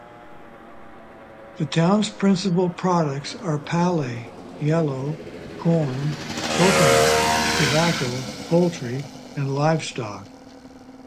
The town's principal products are palay, yellow corn, coconut, tobacco, poultry and livestock.